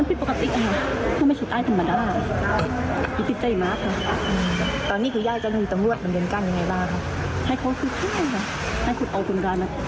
เอาคุณการลงโบ๊ทหนึ่ง